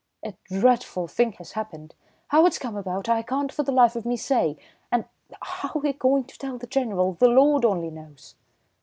"A dreadful thing has happened! How it's come about I can't for the life of me say, and how we're going to tell the General, the Lord only knows!"